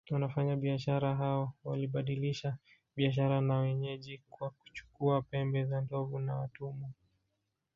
Wafanyabiashara hao walibadilishana bidhaa na wenyeji kwa kuchukua pembe za ndovu na watumwa